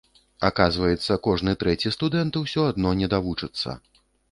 Аказваецца кожны трэці студэнт усё адно не давучыцца.